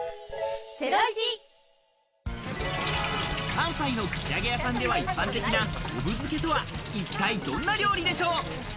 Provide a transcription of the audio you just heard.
関西の串揚げ屋さんでは一般的な、おぶ漬とは一体どんな料理でしょう？